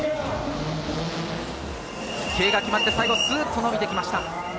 飛型が決まって、最後スっと伸びてきました。